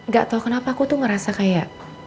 gak tau kenapa aku tuh ngerasa kayak